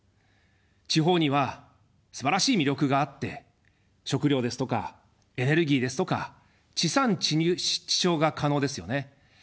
地方にはすばらしい魅力があって食料ですとかエネルギーですとか地産地消が可能ですよね。